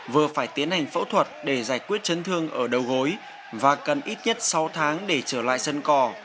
vừa phải tiến hành phẫu thuật để giải quyết chấn thương ở đầu gối và cần ít nhất sáu tháng để trở lại sân cò